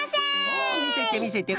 おおみせてみせて。